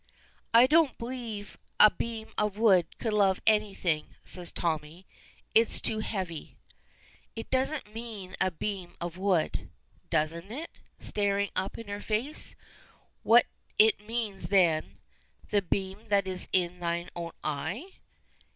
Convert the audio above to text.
"I don't believe a beam of wood could love anything," says Tommy; "it's too heavy." "It doesn't mean a beam of wood." "Doesn't it?" staring up into her face. "What's it mean, then 'The beam that is in thine own eye?'"